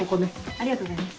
ありがとうございます。